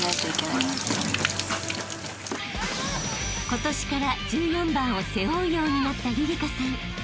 ［今年から１４番を背負うようになったりりかさん］